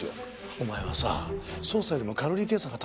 お前はさ捜査よりもカロリー計算が大切か？